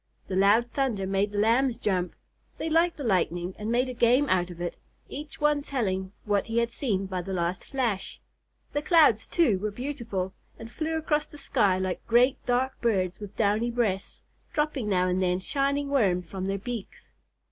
The loud thunder made the Lambs jump. They liked the lightning and made a game out of it, each one telling what he had seen by the last flash. The clouds, too, were beautiful, and flew across the sky like great dark birds with downy breasts, dropping now and then shining worms from their beaks.